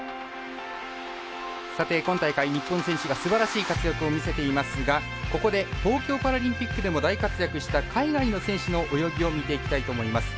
さて今大会、日本選手がすばらしい活躍を見せていますがここで東京パラリンピックでも大活躍した海外の選手の泳ぎを見ていきたいと思います。